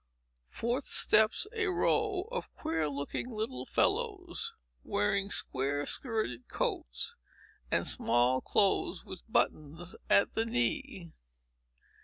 Forth steps a row of queer looking little fellows, wearing square skirted coats, and small clothes, with buttons at the knee.